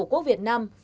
số tài khoản